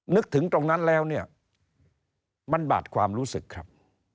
นึกถึงตรงนั้นแล้วเนี่ยมันบาดความรู้สึกครับ